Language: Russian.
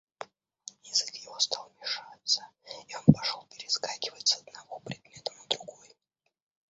Язык его стал мешаться, и он пошел перескакивать с одного предмета на другой.